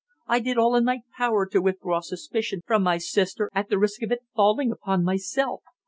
I did all in my power to withdraw suspicion from my sister, at the risk of it falling upon myself.